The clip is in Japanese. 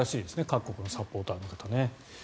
各国のサポーターの方ね。